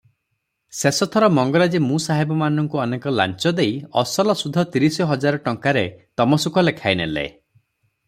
ଶେଷଥର ମଙ୍ଗରାଜେ ମୁସାହେବମାନଙ୍କୁ ଅନେକ ଲାଞ୍ଚ ଦେଇ ଅସଲ ସୁଧ ତିରିଶ ହଜାର ଟଙ୍କାରେ ତମସୁକ ଲେଖାଇନେଲେ ।